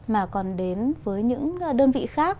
mà còn đến với những đơn vị khác